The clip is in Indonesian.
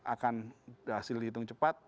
akan hasil dihitung cepat